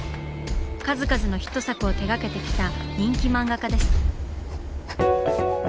数々のヒット作を手がけてきた人気漫画家です。